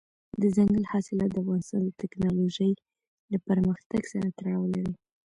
دځنګل حاصلات د افغانستان د تکنالوژۍ له پرمختګ سره تړاو لري.